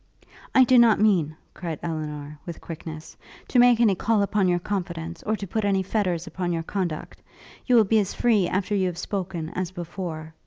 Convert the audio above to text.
'I do not mean,' cried Elinor, with quickness, 'to make any call upon your confidence, or to put any fetters upon your conduct. You will be as free after you have spoken as before.